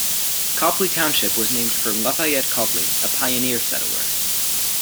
Copley Township was named for Lafayette Copley, a pioneer settler.